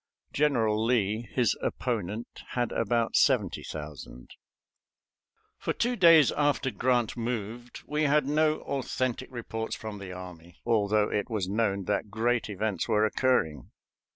General Lee, his opponent, had about seventy thousand. For two days after Grant moved we had no authentic reports from the army, although it was known that great events were occurring.